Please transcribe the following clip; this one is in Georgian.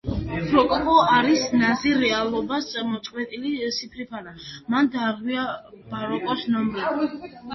Როკოკო არის: ნაზი, რეალობას მოწყვეტილი, სიფრიფანა. Მან დაარღვია ბაროკოს ნორმები.